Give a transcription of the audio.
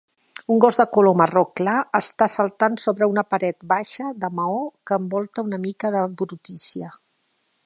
Un gos de color marró clar està saltant sobre una paret baixa de maó que envolta una mica de brutícia.